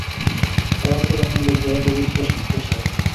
এরা তো এমন লোক যারা পবিত্র সাজতে চায়।